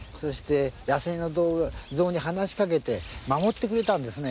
野生の象に話し掛けて守ってくれたんですね。